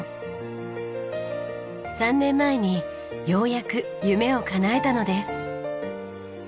３年前にようやく夢をかなえたのです。